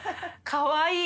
かわいい。